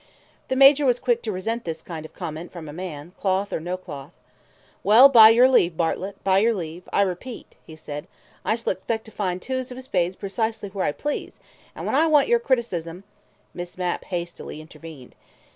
The Major was quick to resent this kind of comment from a man, cloth or no cloth. "Well, by your leave, Bartlett, by your leave, I repeat," he said, "I shall expect to find twos of spades precisely where I please, and when I want your criticism " Miss Mapp hastily intervened.